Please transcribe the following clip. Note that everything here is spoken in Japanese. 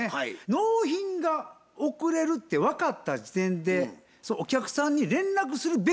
納品が遅れるって分かった時点でお客さんに連絡するべきなんですよ。